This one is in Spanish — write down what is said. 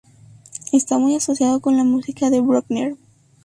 Está muy asociado con la música de Bruckner.